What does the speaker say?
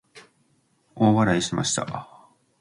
大笑いしました。